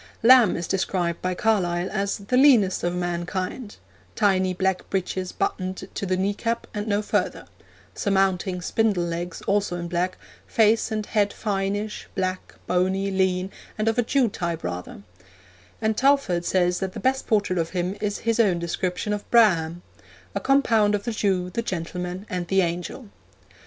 Lamb is described by Carlyle as 'the leanest of mankind; tiny black breeches buttoned to the knee cap and no further, surmounting spindle legs also in black, face and head fineish, black, bony, lean, and of a Jew type rather'; and Talfourd says that the best portrait of him is his own description of Braham 'a compound of the Jew, the gentleman, and the angel.'